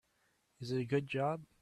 Is it a good job?